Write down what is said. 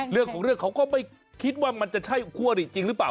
เรื่องของเรื่องเขาก็ไม่คิดว่ามันจะใช่คู่อริจริงหรือเปล่า